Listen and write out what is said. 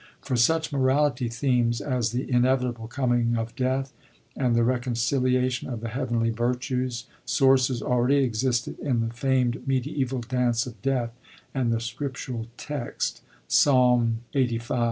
For such Morality themes as the inevitable coming of Death, and the reconciliation of the heavenly virtues, sources already existed in the famed medieval Dance of Death and the scriptural text (Psalm Ixxxv.).